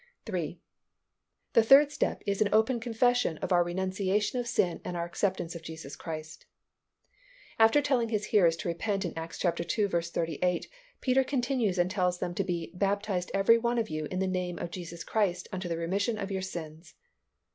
3. The third step is an open confession of our renunciation of sin and our acceptance of Jesus Christ. After telling his hearers to repent in Acts ii. 38, Peter continues and tells them to be "baptized every one of you in the name of Jesus Christ unto the remission of your sins."